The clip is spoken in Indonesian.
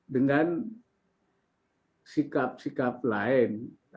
dengan sikap sikap lain